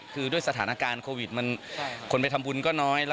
คือด้วยสถานการณ์โควิดมันคนไปทำบุญก็น้อย